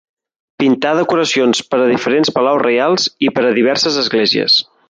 Pintà decoracions per a diferents palaus reials i per a diverses esglésies.